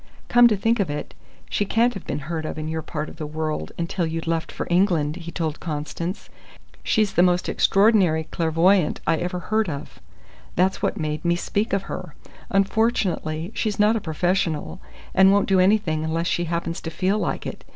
"Come to think of it, she can't have been heard of in your part of the world until you'd left for England," he told Constance. "She's the most extraordinary clairvoyante I ever heard of. That's what made me speak of her. Unfortunately she's not a professional, and won't do anything unless she happens to feel like it.